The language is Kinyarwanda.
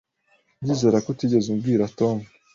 Ndizera ko utigeze ubwira Tom.